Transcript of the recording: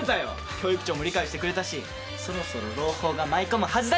教育長も理解してくれたしそろそろ朗報が舞い込むはずだよ。